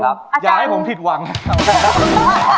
อย่าให้ผมผิดหวัง